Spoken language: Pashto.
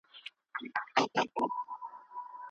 که ښځې په ټولنه کې وي نو نیم قوت نه فلج کیږي.